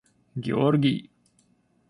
Георгий